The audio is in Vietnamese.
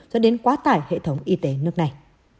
dẫn đến quá tải hệ thống y tế nước này